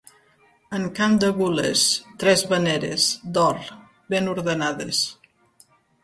En camp de gules, tres veneres, d'or, ben ordenades.